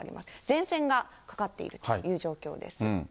前線がかかっているという状況です。